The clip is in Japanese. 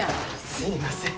すいません。